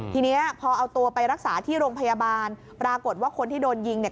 ทีนี้พอเอาตัวไปรักษาที่โรงพยาบาลปรากฏว่าคนที่โดนยิงเนี่ย